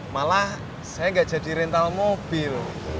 malah saya nggak jadi rental mobil